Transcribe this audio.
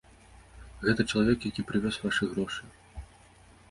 Гэта чалавек, які прывёз вашы грошы.